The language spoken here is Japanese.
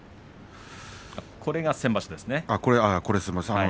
これは先場所ですね。